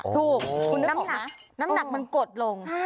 ถูกคุณน้ำหนักมันกดลง